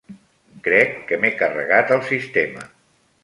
Crec que m'he carregat el sistema.